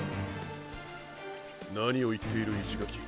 何を言っている石垣。